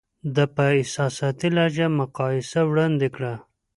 ده په احساساتي لهجه مقایسه وړاندې کړه.